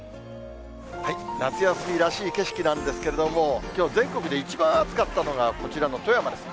夏休みらしい景色なんですけれども、きょう、全国で一番暑かったのが、こちらの富山です。